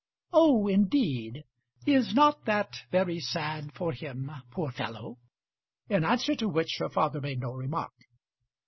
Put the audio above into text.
"Oh, indeed. Is not that very sad for him, poor fellow?" In answer to which her father made no remark.